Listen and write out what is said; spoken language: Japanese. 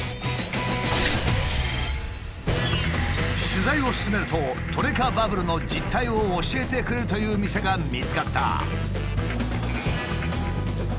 取材を進めるとトレカバブルの実態を教えてくれるという店が見つかった。